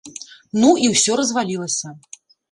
Ну і ўсё развалілася.